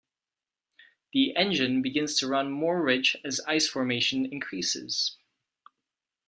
The engine begins to run more rich as ice formation increases.